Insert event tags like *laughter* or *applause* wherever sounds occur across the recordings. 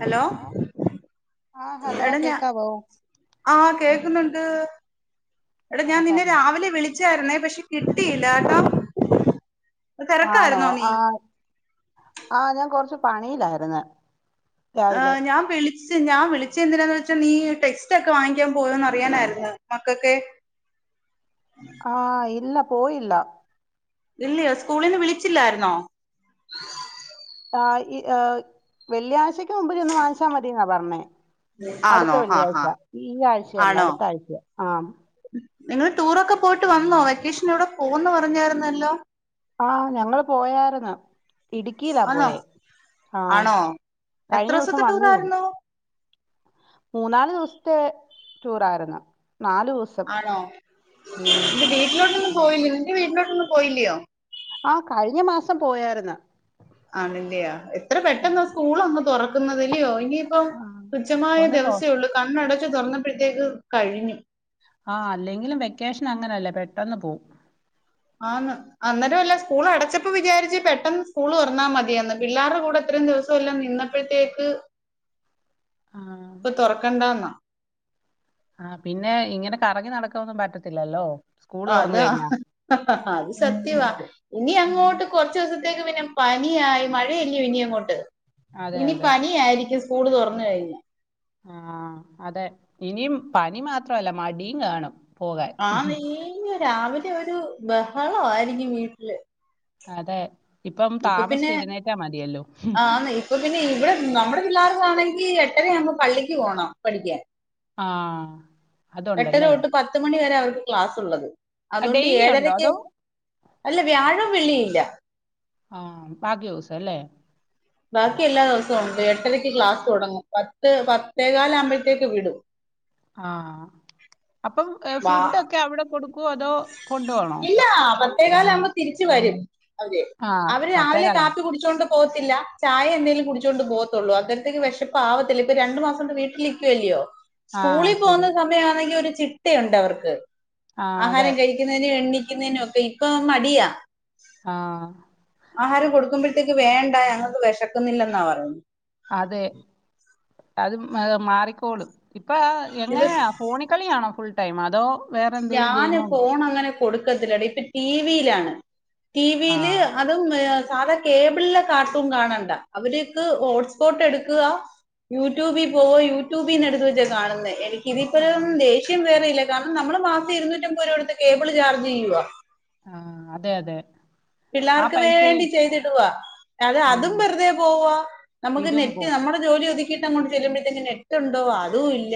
Hello ആ hello എട ഞാ കേക്കാവോ ആഹ് കേക്ക്ന്ന്ണ്ട്. എടാ ആ ഞാൻ നിന്നെ പറഞ്ഞോ രാവിലെ വിളി ച്ചായ്ര്ന്നെ. പക്ഷെ കിട്ടീയില്ലാ ട്ടോ. ആണോ ആഹ്. ആഹ് ഞാൻ കൊർച്ച് പണിയിലായിരുന്ന് ആഹ്. ഞാൻ വിളി ച്ച്. ഞാൻ വിളിച്ചത് എന്തിനാന്ന് വെച്ച നീ ടെക്സ്റ്റ് ഒക്കെ വാങ്ങിക്കാൻ പോയൊ ന്നറിയാനാര്ന്ന്. മക്കക്കേയ്. ആഹ്. ഇല്ല പോയില്ല ഇല്ലയോ സ്കൂളിന്ന് വിളിച്ചില്ലായിരുന്നോ ആ ഈ വെള്ളിയാഴ്ചയ്ക്ക് മുമ്പ് ചെന്ന് വാങ്ങിച്ചാ മതിന്നാ പറഞ്ഞേ അടുത്ത ആണോ ആഹ് ആഹ് വെള്ളിയാഴ്ച ഈ ആഴ്ചയല്ല അടുത്ത ആഴ്ച ആഹ് നിങ്ങള് ടൂറൊക്കെ പോയിട്ട് വന്നോ വെക്കേഷന് എവിടെ പോന്ന് പറഞ്ഞായിരുന്നല്ലോ ആഹ് ഞങ്ങള് പോയാരുന്നു ഇടുക്കിയിലാ ആന്നോ പോയേ ആഹ് ആണോ എത്ര കഴിഞ്ഞ ദിവസം ദിവസത്തെ വന്നേ ഉള്ളൂ ടൂറായിരുന്നു മൂന്നാല് ദിവസത്തെ ടൂർ ആയിരുന്നു നാലു ദിവസം ആണോ ഉം വീട്ടിലോട്ടൊന്നും പോയില്ലേ നിന്റെ വീട്ടിലോട്ടൊന്നും പോയില്ലയോ ആഹ് കഴിഞ്ഞ മാസം പോയായിരുന്ന് ആണല്ലയ എത്ര പെട്ടെന്നാ സ്കൂൾ അങ്ങ് തുറക്കുന്നതില്യോ ഇനി ഇപ്പൊ ആ തുച്ഛമായ ഒന്ന് തൊ ദിവസേള്ളൂ കണ്ണടച്ചു തൊറന്നപ്പോഴത്തേക്ക് കഴിഞ്ഞു ആഹ് അല്ലെങ്കിലും വെക്കേഷൻ അങ്ങന അല്ലേ പെട്ടന്ന് പോവും ആന്ന് അന്നേരമല്ല സ്കൂൾ അടച്ചപ്പോ വിചാരിച്ച് പെട്ടെന്ന് സ്കൂൾ തുറന്നാ മതിയന്ന് പിള്ളേരുടെ കൂടെ ഇത്രയും ദിവസം നിന്നട്ട് അപ്പോഴത്തേക്ക് ആഹ് ഇപ്പൊ തൊറക്കണ്ടാന്നാ ആഹ് പിന്നെ ഇങ്ങനെ കറങ്ങി നടക്കൊന്നും പറ്റത്തില്ലല്ലോ സ്കൂള് ആഹ് തുറന്ന് അതാ കഴിഞ്ഞാ. അത് സത്യവാ ഇനി ഉം. അങ്ങോട്ട് കൊറച്ച ദിവസത്തേക്ക് പിന്നെ പനിയായി മഴയല്ലയൊ ഇനി അങ്ങോട്ട് അതെ ഇനി അതെ പനി ആയിരിക്കും സ്കൂള് തൊറന്നു കഴിഞ്ഞ ആഹ് അതെ ഇനി പനി മാത്രല്ല മടിയും കാണും പോകാൻ ആന്ന് ഈ രാവിലെ ഒരു ബഹള ആയിരിക്കും വീട്ടില് അതെ ഇപ്പം താമസിച്ച് എഴുന്നേറ്റാ മതിയല്ലോ ആന്നെ ഇപ്പൊ പിന്നെ ഇവിടെ നമ്മുടെ പിള്ളേർക്കാണെങ്കി എട്ടരയാമ്പോ പള്ളിക്ക് പോണം പഠിക്കാൻ ആഹ് എട്ടര അതുണ്ടല്ലേ തൊട്ട് പത്തുമണി വരെ അവർക്ക് ക്ലാസ് ഒള്ളത് അതുകൊണ്ട് ഡെയിലി ഉണ്ടോ ഏഴരക്ക് അതോ അല്ല വ്യാഴവും വെള്ളിയില്ല ആഹ് ബാക്കി ദിവസല്ലേ ബാക്കി എല്ലാ ദിവസവും ഒണ്ട് എട്ടരയ്ക്ക് ക്ലാസ് തുടങ്ങും പത്ത് പത്തേകാൽ ആമ്പഴത്തേക്ക് വിടും ആഹ് അപ്പം വാ ഫുഡ് ഒക്കെ അവിടെ കൊടുക്കുവോ അതോ കൊണ്ടുപോണോ ഇല്ല പത്തേകാൽ ആമ്പം തിരിച്ച് വരും അവര് ആഹ് അവര് രാവിലെ പത്തേകാലാവും കാപ്പി കുടിച്ചോണ്ട് പോത്തില്ല ചായ എന്തെലും കുടിച്ചുകൊണ്ട് പോകത്തുള്ളൂ അന്നേരത്തേക്ക് വെഷപ്പ് ആവത്തില്ല ഇപ്പൊ രണ്ടു മാസം കൊണ്ട് വീട്ടിലിരി ക്കുവല്ലയോ ആഹ് സ്കൂളിൽ പോന്ന ശരി സമയ ആണെങ്കിൽ ഒരു ചിട്ടയൊണ്ട് അവർക്ക് ആഹ് അതെ ആഹാരം കഴിക്കുന്നേനും എണിക്കുന്നേനും ഒക്കെ ഇപ്പൊ മടിയാ ആഹ് ആഹാരം കൊടുക്കുമ്പോഴത്തേക്ക് വേണ്ട ഞങ്ങക്ക് വെശക്കുന്നില്ലെന്നാ പറയുന്നേ അതെ അത് മാറിക്കോളും ഇപ്പ ഇത് എങ്ങനെയാ ഫോണിൽ കളിയാണോ ഫുൾ ടൈം അതോ വേറെ എന്തേലും ഞാന് ഗെയിമൊ ഫോൺ അങ്ങനെ കൊടുക്കത്തില്ല ഇപ്പോ ടി വി യിൽ ആണ് ടിവീല് ആഹ് തും സാധ കേബിളിലെ കാർട്ടുൺ കാണണ്ട അവർക്ക് ഹോട്ട്സ്പോട്ട് എടുക്കുക യൂട്യൂബി പോവ യൂട്യൂബീന്ന് എടുത്ത് വച്ചാ കാണുന്നേ എനിക്ക് ഇതിപ്പരം ആഹ് ദേഷ്യം വേറെ ഇല്ല കാരണം നമ്മള് മാസം ഇരുന്നൂറ്റമ്പത് രൂപ കൊടുത്ത് കേബിള് ചാർജ് ചെയ്യുവാ ആഹ് അതെ അതെ ആ പിള്ളേർക്ക് വേണ്ടി പൈസയും ചെയ്തിടുവാ അതെ ഉം അതും വെറുതെ പോവാ നമുക്ക് ഇതും നെറ്റ് പോവും. നമ്മുടെ ജോലി ഒതുക്കി ക്കിട്ട് അങ്ങോട്ട് ചെല്ലുമ്പോഴത്തേക്ക് നെറ്റൊണ്ടോ അതും ഇല്ല.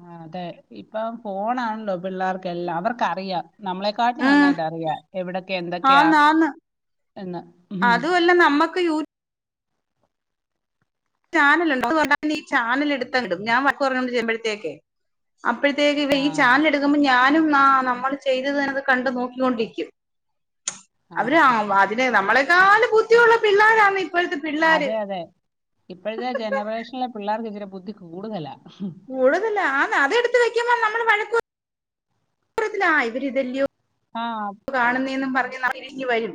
ആ അതെ ഇപ്പം ഫോൺണല്ലോ പിള്ളേർക്കെല്ലാം അവർക്കറിയാം നമ്മളെ കാട്ടി ഉം നന്നായിട്ട് അറിയാ എവിടൊക്കെ എന്തൊക്കെയാ ആന്ന് എന്ന് ല്ല നമ്മക്ക് യൂട്യൂബി ചാനൽ ഉണ്ട് എന്തുപറഞ്ഞാലും ഈ ചാനൽ എടുത്തങ്ങിടും ഞാൻ വഴക്ക് പറഞ്ഞോണ്ട് ചെല്ലുമ്പോൾ തേക്ക് അപ്പോഴത്തേക്ക് ഈ ആഹ് ചാനൽ എടു ഞാനും ആ നമ്മള് ചെയ്തത് കണ്ട് നോക്കികൊണ്ടിരിക്കും. അവര് ആഹ് അതിന് നമ്മളെക്കാൾ ബുദ്ധിയുള്ള പിള്ളേരന്നേ അതെ അതെ ഇപ്പോഴത്തെ ജനറേഷനിലെ പിള്ളേർക്ക് ഇച്ചരി ബുദ്ധി കൂടുതലാ. കൂടുതല അതെടുത്ത് വെക്കുമ്പോ നമ്മൾ വഴക്ക് പറയത്തിലെ ഇവര് ഇതല്ലയോ ആ ആഹ് കാണുന്നെന്നും പറഞ്ഞ് അവരിങ്ങ് വരും.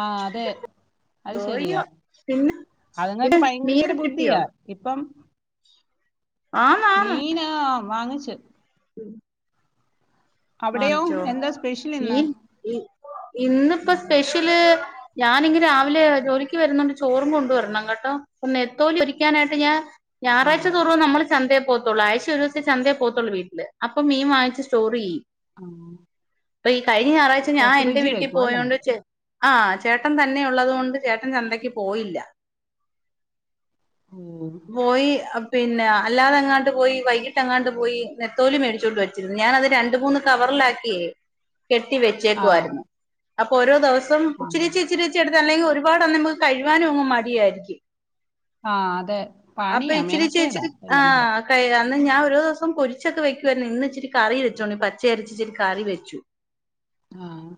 ആ അതെ അത് ശരിയാ പോയോ പിന്നെ അതുങ്ങൾക്ക് പിന്നെ ഭയങ്കര മീനൊക്കെ കിട്ടിയോ ബുദ്ധിയാ. ഇപ്പം മീനാ വാങ്ങിച്ച് ഉം അവിടെയോ വാങ്ങിച്ചോ എന്താ സ്പെഷ്യൽ ഇന്ന് മീൻ ഇന്നിപ്പോ സ്പെഷ്യല്. ഞാനിങ്ങനെ രാവിലെ ജോലിക്ക് വരുന്നണ്ട് ചോറും കൊണ്ടുവരണങ്ങെട്ടോ. നത്തോലി പൊരിക്കായിട്ട് ഞാൻ ആ ഞായാഴ്ച ചോറും നമ്മൾ ചന്തയ പോത്തേള്ളൂ ആഴ്ച ഒരു ദിവസേ ചന്തയിൽ പോത്തേള്ളൂ വീട്ടില് അപ്പൊ മീൻ വാങ്ങച്ച് സ്റ്റോറി ചെയ്യും. ആഹ്. ആ ഈ കഴിഞ്ഞ ഞായറാഴ്ച ഞാൻ എന്റെ വീട്ടിൽ വെക്കും അല്ലേ പേയോണ്ട്. ആ ചേട്ടൻ തന്നെ ഉള്ളത് കൊണ്ട് ചേട്ടൻ ചന്തയ്ക്ക് പോയില്ല. ഉം പോയി പിന്നെ അല്ലാതെ അങ്ങാട്ട് പോയി വൈകിട്ട് അങ്ങാട്ട് പോയി നെത്തോലി മേടിച്ചുകൊണ്ട് വച്ചിരുന്നു ഞാൻ അത് രണ്ട് മൂന്ന് കവറിലാക്കി കെട്ടി ആ വെച്ചേക്കു വായിരുന്നു അപ്പൊ ഓരോ ദിവസം ആ ഇച്ചിരി ഇച്ചിരി. കൊറച്ച് എടുത്തിലെങ്കിൽ ഒരുപാട് നമുക്ക് കഴുക്കുവാനും അങ് മടിയായിരിക്കും ആഹ അതെ അപ്പൊ പണിയാ ഇച്ചിരിച്ചി മേനക്കേടാ ഇച്ചിരി എല്ലാം കൂടെ ആഹ് അന്ന് ഞാൻ ഒരു ദിവസം പെരിച്ചേക്കെ വെക്കുമായിരുന്നു ഇന്ന് ഇച്ചിരി കറി വെച്ചോണ്ടിരുന്നു അച്ചിട്ട് കറി വെച്ചു. ആഹ്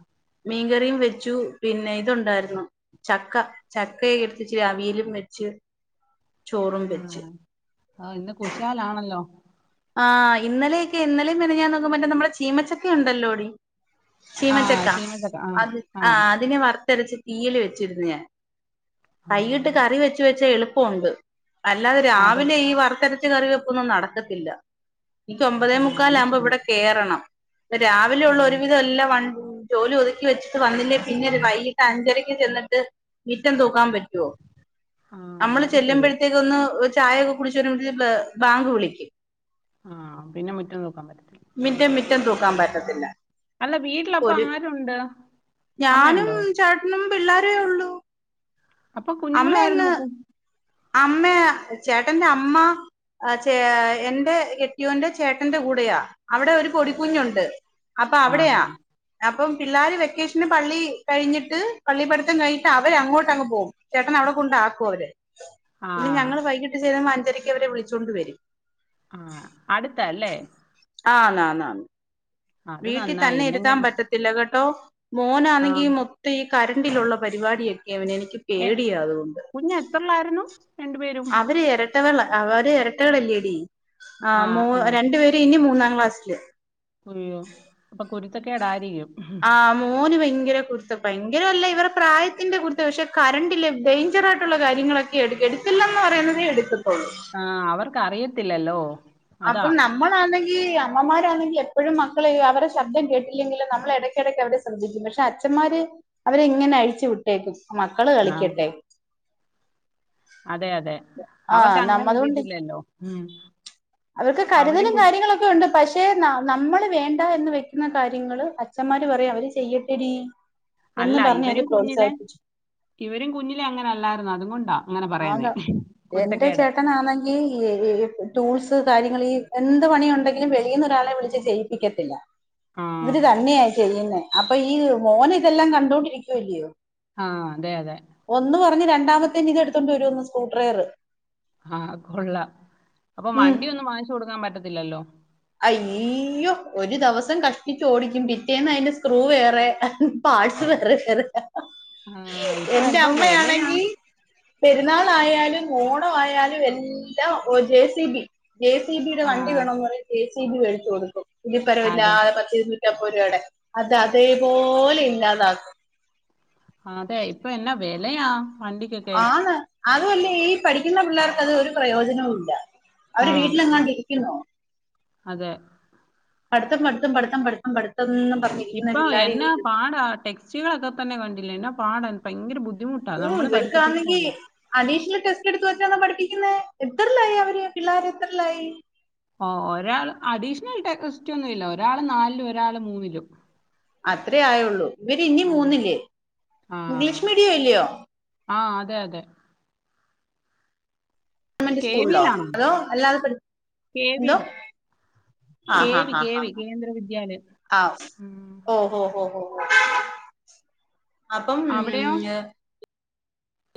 മീൻകറിയും വെച്ചു പിന്നെ ഇതുണ്ടായിരുന്നു. ചക്ക ചക്കയെടുത്തിട്ട്ച്ചിരി അവിയലും വെച്ച് ചോറും വെച്ച് ആ ഇന്ന് കുശാലാണല്ലോ. ആ ഇന്നലെയൊക്കെ ഇന്നലും മെനഞ്ഞാന്നും മറ്റേ നമ്മളെ ചീമച്ചക്കെ ഉണ്ടല്ലോടി. ആ ചീമച്ചക്കാ ചീമച്ചക്ക ആ അത് ആ അതിനെ വറത്ത് അരച്ച്. തീയിൽ വെച്ചിരുന്നു ഞൻ ആ കൈയിട്ട് കറി വെച്ച് വെച്ച് എളുപ്പമുണ്ട്. അല്ലാതെ അതെ രാവിലെ ഈ വർത്തരച്ച കറിവെക്കല്ലേന്നും നടക്കത്തില്ല. എനിക്ക് ഒമ്പതേ ആ മുക്കാല് അത് ആകുമ്പോ ശരി ഇവിടെ കേറണം അപ്പ രാവിലെ ആ ഉള്ള ഒരുവിധം എല്ലാ ജോലി ഒതുക്കി വെച്ചിട്ട് വന്നില്ലേ പിന്നെ വൈകിട്ട് അഞ്ചരക്ക് ചെന്നിട്ട് മിറ്റം തൂക്കാൻ പറ്റും ആ നമ്മള് അത് ശരിയാ ചെല്ലുമ്പോഴത്തേക്കേന്നു ഒരു ചായയെക്കെ ഇത് കുടിച്ചു കഴിയുമ്പത്തിനും ബാങ്ക് വിളിക്കും. ആ പിന്നെ മുറ്റം തൂക്കാൻ പറ്റത്തില്ല. മിറ്റം മിറ്റം തൂക്കാൻ പറ്റത്തില്ല. അല്ല വീട്ടിലപ്പേ ഒരു ആര് ഇണ്ട് അമ്മയുണ്ടോ? ഞാനും പിള്ളോരേ ഒള്ളൂ അപ്പൊ കുഞ്ഞുങ്ങള ആരു നോക്കൂ അമ്മ ചേട്ടന്റെ അമ്മ ആഹ് ചേ എന്റെ കെട്ടിയോന്റെ ചേട്ടന്റെ കൂടെയാ അവിടെ ഒരു പൊടിക്കുഞ്ഞുണ്ട് അപ്പ ആ അവിടെയാ അപ്പം പിള്ളാര് വെക്കേഷൻ പള്ളി കഴിഞ്ഞിട്ട് പള്ളിപ്പടുത്തം കഴിഞ്ഞിട്ട് അവര് അങ്ങോട്ട് അങ്ങ് പോകും ചേട്ടന് അവിടെ കൊണ്ടാക്കും അവര് ആ പിന്നെ ഞങ്ങൾ വൈകിട്ട് ചെല്ലുമ്പേ അഞ്ചരയ്ക്ക് അവരെ വിളിച്ചൊണ്ട് വരും അടുത്തല്ലേ? ആന്നന്ന അത് വീട്ടിൽ നന്നായി തന്നെ ഇരുത്താൻ ഇല്ലെങ്കിൽ പറ്റ ട്ടില്ല കേട്ടോ ആ മോനാന്നെങ്കി മൊത്തം ഈ കറണ്ടറിലുള്ള പരിപാടിയൊക്കെ അവനെ എനിക്ക് എ പേടിയ അതുകൊണ്ട് കുഞ്ഞ് എത്രയിലായിരുന്നു രണ്ടുപേരും അവരെ എര രട്ടകൾ അവര് എരട്ടകളെല്ലേടി ആ ആഹ് മൂ ആ രണ്ട് പേര് ഇനി മൂന്നാം ക്ലാസ്സില് കുരിയോ അപ്പൊ കുരുത്തക്കെടായിരിക്കും ആഹ് മോന് ഭയങ്കര കു ഭയങ്കരല്ല ഇവര് പ്രായത്തിന്റെ കുരുത്ത പക്ഷെ കറണ്ടില് ഡേഞ്ചറായിട്ട്ള്ള കാര്യങ്ങളൊക്കെ എട് എടുക്കല്ലന്ന് പറയുന്നതെ എടുത്തത്തോള്ളൂ ആഹ് അവർക്കറിയത്തില്ലല്ലോ അപ്പം ന്ന മ്മളാണെങ്കിൽ അമ്മമാരാണെങ്കി എപ്പളും മക്കളെ അവരെ ശബ്ദം കേട്ടില്ലെങ്കി നമ്മളെ എടയ്ക്കിടക്ക് അവരെ *inaudible* പക്ഷെ അഛൻ മാര് അവരെങ്ങനെ അഴിച്ചു വിട്ടേക്കും മക്കള് ആ കളിക്കട്ടെ അതെ അതെ ആ അവർക്ക് നമ്മ അങ്ങനെ അതുകൊണ്ട് ഒരിതില്ലല്ലോ ഉം അവർക്ക് അവരും കരുതലും കു- കാര്യങ്ങളൊക്കെ ഉണ്ട് പ ക്ഷേ നമ്മള് വേണ്ട എന്ന് വെക്കുന്ന കാര്യങ്ങള് അച്ഛന്മാര് പറയു അവര് ചെയ്യട്ടെടി അല്ല എന്ന് പറഞ്ഞ് ഇവരും അവര് കുഞ്ഞിലെ പ്രോത്സാഹിപ്പിച്ചു ഇവരും കുഞ്ഞിലെ അങ്ങനെല്ലായിരുന്നോ അതുകൊണ്ടാ അങ്ങനെ ആതാ പറയുന്നേ എന്റെ കുരുത്തക്കേട് ചേട്ടനാണെങ്കി ഈ ടൂൾസ് കാര്യങ്ങള് ഈ എന്ത് പണിയുണ്ടെങ്കിലും വെളിന്ന് ഒരാളെ വിളിച്ച് ചെയ്യിപ്പിക്കത്തില്ല ആ ഇവര് തന്നെയായി ചെയ്യുന്നെ അപ്പൊ ഈ മോന് ഇതെല്ലാം കണ്ടോണ്ടിരിക്കല്ലേ ആഹ് അതെ അതെ ഒന്ന് പറഞ്ഞ് രണ്ടാമത്തേന് ഇത് എടുത്തോണ്ട് വരോന്ന് സ്ക്രൂ ഡ്രൈവറ് ആഹ് കൊള്ള അപ്പൊ ഉം വണ്ടിയൊന്നും വാങ്ങിച്ചു കൊടുക്കാൻ പറ്റത്തില്ലല്ലോ അയ്യോ ഒരു ദിവസം കഷ്ടിച്ച ഓടിക്കും പിറ്റേന്ന് അതിന്റെ സ്ക്രൂ വേറെ പാട്സ് വേറെ ആ ഇപ്പൊ എന്റെ എന്തോ വിലയാ അമ്മയാണെങ്കി പെരുന്നാളായാലും ഓണയാലും എല്ലാം J C B J C ബിയുടെ ആ വണ്ടി വേണംന്ന് പറ ജെ സി ബി വേടിച്ചു കൊടുക്കും അതെ പുലിപ്പരവില്ലാതെ *unintelligible* *unintelligible* അത് അതേപോലെ ഇല്ലാതാക്കും അതെ ഇപ്പൊ എന്ന വെലയാ വണ്ടിക്ക് ആഹ് ന്ന് അതുമല്ലേ ഈ പഠിക്കുന്ന പിള്ളേർക്ക് അത് ഒരു പ്രയോജനവും ഇല്ല ആ അവര് വീട്ടിലെങ്ങാണ്ട് ഇരിക്കുന്നു അതെ പഠിത്തം പഠിത്തം പഠിത്തം പഠിത്തം പഠിത്തംന്ന് പറഞ്ഞിരിക്കുന്ന പിള്ളോര് *unintelligible* സ്ത്രീകളൊക്കെ തന്നെ കണ്ടില്ല എന്നാ പാടാൻ ഭയങ്കര ബുദ്ധിമുട്ടാ നമ്മള് പഠിച്ചപ്പോഴ പോ അടിഷ്ണൽ ടെസ്റ്റ് എടുത്ത വെച്ചാ പഠിപ്പിക്കുന്ന എത്രലായി അവര് പിള്ളേർ എത്രിലായി ഓ ഒരാൾ അഡീഷണൽ ടെസ്റ്റ് ഒന്നും ഇല്ല ഒരാൾ നാലിലും ഒരാള് മൂന്നിലും അതേ ആയുള്ളൂ ഇവര് ഇനി ആ മൂന്നില്ലേ ഇംഗ്ലീഷ് മീഡിയം ഇല്ലയോ? ആഹ് അതെ അതെ ഗവമെന്റ് കെ സ്കൂൾളോ വിയിലാണോ അതോ അല്ലാതെ പഠി കെ എന്തോ വിയിൽ ആഹ് കെ ഹാ വി ഹാ കെ ഹാ വി ഹാ കേന്ദ്ര വിദ്യാലയം ആഹ് സ് ഉം. ഓഹോ ഹോ ഹോ ഹോ അപ്പം മ് അവിടെയോ ഞ്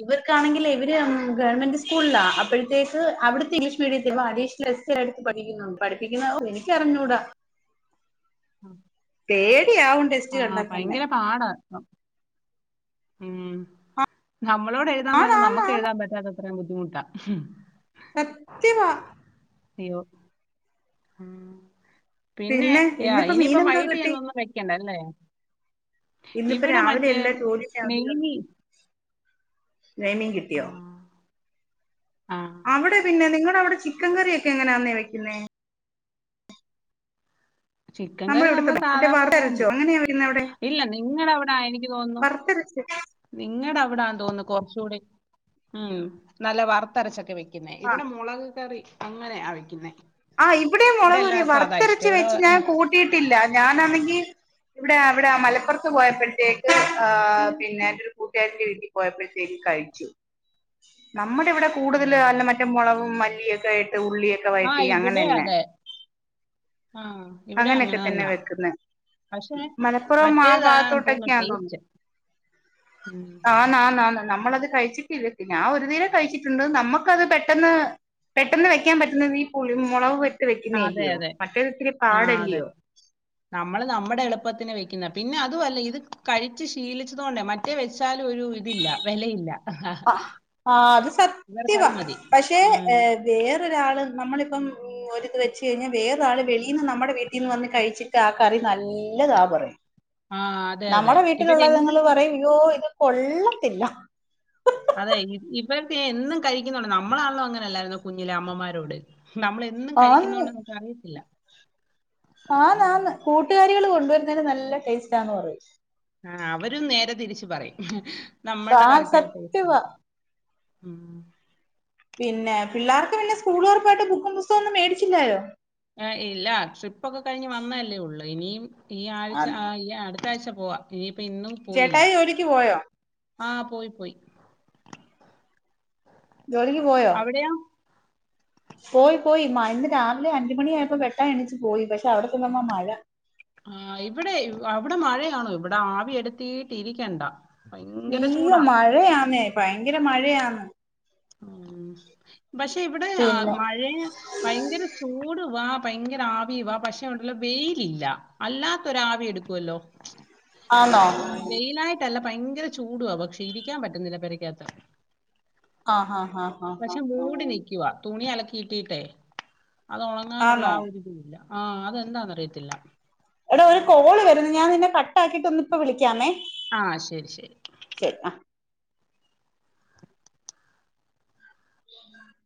ഇവര്ക്കാണെങ്കില് ഇവര് ഗവൺമെന്റ് സ്കൂൾളാ അപ്പോഴേക്ക് അവിട്ത്തെ ഇംഗ്ലീഷ് മീഡിയത്തിൽ നിന്ന് അഡീഷ്ണൽ എസ് സ്സെ എട്ത്ത് പഠിക്കുന്നുണ്ട് പഠിപ്പിക്കിന്നാണോ എനിക്കറിഞ്ഞൂടാ ആഹ് പേടിയാവ്ൺ ആഹ് ഭയങ്കര പാടാ പ്പം ഉം നമ്മളോടെഴുതാൻ പറഞ്ഞ ആണാന്ന് നമ്മക്ക് എഴുതാൻ പറ്റാത്ത അത്രയും ബുദ്ധിമുട്ടാ സത്യവാ ഇയ്യോ ഉം പിന്നേ പിന്നെ യാ ഇന്നിപ്പോ ഇനിയിപ്പോ മീനെന്തോ വൈകിട്ട് കിട്ടി ചെന്നൊന്നും വെക്ക്യണ്ട അല്ലേ ഇന്നിപ്പോ ഇവിടെ രാവിലെ മറ്റേ എല്ലാ ജോലി നെയ്മി *unintelligible* നെയ്മീൻ കിട്ടിയോ ആഹ് അവിടെ പിന്നെ നിങ്ങടവിടെ ചിക്കൻ കറിയൊക്കെ എങ്ങനാന്നേ വെക്ക്ന്നേ ചിക്കൻ കറി ഇവിടുത്തെ നമ്മുടെ മറ്റേ സാധാ പോലെ വറുത്തരച്ചോ തന്നെ അങ്ങനെയാ വെക്കുന്നെ അവിടെ ഇല്ല നിങ്ങടെ അവ്ടാ എനിക്ക് തോന്ന്ന്നു വറുത്തരച്ച് നിങ്ങട അവ്ടാണെന്ന്തോന്ന്ന്നു കൊർചൂടിം ഉം നല്ല വറുത്തരച്ചൊക്കെ വെ ക്ക്യുന്നെ ആ ഇവിടെ മൊളക് കറി അങ്ങനെയാ വെയ്ക്ക്ന്നേ. ആഹ് ഇവിടേം മൊളക്കറിയാ വറത്തരച്ച് വെച്ച് ഞാൻ കൂട്ടിയിട്ടില്ല ഞാനന്നെങ്കി ഇവിടെ അവിടെ ആ മലപ്പൊർത്ത് പോയപ്പോഴത്തേക്ക് ആഹ് പിന്നെ എന്റൊരു കൂട്ടാരിന്റെ വീട്ടി പോയപ്പെഴത്തേക്ക് കഴി ച്ചു നമ്മടെ ഇവിടെ ആ കൂട്തല് നല്ല മറ്റേ മൊളകും മല്ലിയൊക്കെ യിട്ട് ഉള്ളിയൊക്കെ വഴറ്റി ആഹ് അങ്ങനെ ഇവിടേ തന്നെ അതെ ആഹ്. അങ്ങനെക്കെ തന്നെ വെക്ക്ന്നെ. പക്ഷേ മലപ്പുറം ആ മറ്റേതാണ് തോന്നുന്നു ഭാഗത്തോട്ടൊക്കെയാന്ന് തോന്നു. ടേസ്റ്റ് ആന്ന് ആന്ന് ന്നാന്ന് നമ്മളത് കഴിച്ചിട്ടില്ല പി ആ ഒരു നേരം കഴിച്ചിട്ടുണ്ട് നമ്മക്കത് പെട്ടെന്ന് പെട്ടെന്ന് വെയ്ക്കാൻ പറ്റുന്നത് ഈ പുളി മൊളകുവിട്ട് വെക്ക്യുന്നഅല്ല്യോ മറ്റേത് ഇത്തിരി ആഹ് അതെ. പാടല്ലയോ നമ്മള് നമ്മടെ എളുപ്പത്തിന് വെയ്ക്കുന്ന പിന്നെ അതുവല്ല ഇത് കഴിച്ച് ശീലിച്ചത് കൊണ്ടേ മ റ്റെ വെച്ചാലും ഒരു ഇതില്ല വെലയില്ല. അഹ് ആഹ് അത് ഇവർക്ക് സത്യവാ അത് മതി പക്ഷെ ഉം വേറൊരാള് നമ്മളിപ്പം ഒര് ഇത് വെച്ച് കഴിഞ്ഞാ വേറൊരാള് വെളീന്ന് നമ്മടെ വീട്ടിന്ന് വന്ന് കഴിച്ചിട്ട് ആ കറി നല്ലതാ പറയും. ആ അതെ അതെ നമ്മടെ ഇവരെന്നും വീട്ടിലുള്ളത്ങ്ങള് പറയും ഇയ്യോ ഇത് കൊള്ളത്തില്ല. അതെ ഇ ഇപ്പഴെക്കെ എന്നും കഴിക്ക്യുന്നുണ്ട് നമ്മളാണല്ലോ അങ്ങനെല്ലായിര്ന്നെ കുഞ്ഞിലെ അമ്മമാരോട് നമ്മ്ള് എന്നും ആന്ന് കഴിക്ക്യിന്നോണ്ട് നമ്ക്ക് അറിയത്തില്ല. ആന്ന് ആന്ന് കൂട്ടുകാരികള് കൊണ്ടുവരുന്നേന് നല്ല ടേസ്റ്റാന്ന് പറയും. ആഹ് അവരും നേരെ തിരിച്ചു പറയും നമ്മൾടെ ആ കറിക്കാ സത്യവാ ടേസ്റ്റെന്ന്. ഉം പിന്നെ പിള്ളാർക്ക് പിന്നെ സ്കൂളൊർകായിട്ട് ബുക്കും പുസ്തകം ഒന്നും മേടിച്ചില്ലായോ ഏ ഇല്ല ട്രിപ്പ് ഒക്കെ കഴിഞ്ഞ് വന്ന അല്ലേ ഒള്ള് ഇനിയിം ഈ ആ ആഴ്ച ആഹ് ഈ അട് ത്താഴ്ച പോവാ ഇനിയിപ്പ ഇന്നും പോയില്ല. ചേട്ടായി ജോലിക്ക് പോയോ ആഹ് പോയി പോയി. ജോലിക്ക് പോയോ അവിടെയോ പോയി പോയി മഴ് ഇന്ന് രാവിലെ അഞ്ചു മണി ആയപ്പോ പെട്ടെന്ന് എണീച്ച് പോയി പക്ഷെ അവിടെചെന്നപ്പ മഴ ആ ഇവിടെ അവിടെ മഴയാണോ ഇവിടെ ആവി എടുത്തീട്ടി രിക്കണ്ട ഈയോ മഴയാന്നേ ഭയങ്കര മഴയാന്ന് മ് പഷെ ഇവിടെ ആ പിന്നെ മഴയ ഭയങ്കര ചൂടുവാ ഭയങ്കര ആവി വ പഷെ അവടെള്ള വെയിലല്ല അല്ലാത്തൊരു ആവി എടുക്കുവല്ലോ ആ ന്നോ വെയിലായിട്ടല്ല ഭയങ്കര ചൂടുവാ പക്ഷെ ഇരിക്കാൻ പറ്റുന്നില്ല പേരയ്ക്കാത്ത് ആഹാ പക്ഷെ മൂടി നിക്കുവാ തുണി അലക്കിട്ടീട്ടേ അത് ഒണങ്ങാനുള്ള ആന്നോ ആ ഒരുതില്ല ആ അതെന്താന്നറിയത്തില്ല എട ഒരു കോള് വരുന്നു ഞാൻ നിന്നെ കട്ട ആാക്കിട്ട് ഒന്ന് ഇപ്പോ വിളിക്കാമേ ആ ശെരി ശെരി ശരി ആ *inaudible*